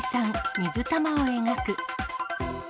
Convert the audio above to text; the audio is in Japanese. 水玉を描く。